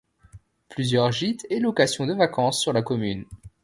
Plusieurs gîtes et locations de vacances sur la commune.